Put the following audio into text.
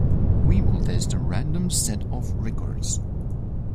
We will test a random set of records.